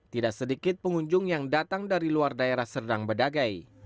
tidak sedikit pengunjung yang datang dari luar daerah serdang bedagai